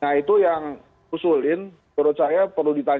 nah itu yang usulin menurut saya perlu ditanya